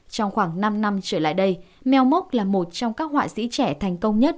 trong khoảng năm năm trở lại đây meo mốc là một trong các họa sĩ trẻ thành công nhất